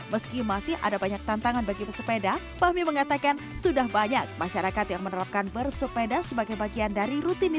meski masih ada banyak tantangan bagi pesepeda fahmi mengatakan sudah banyak masyarakat yang menerapkan bersepeda sebagai bagian dari sepeda